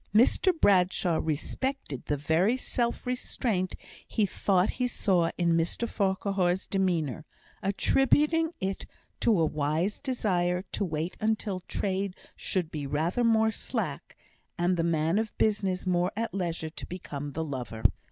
Mr Bradshaw respected the very self restraint he thought he saw in Mr Farquhar's demeanour, attributing it to a wise desire to wait until trade should be rather more slack, and the man of business more at leisure to become the lover.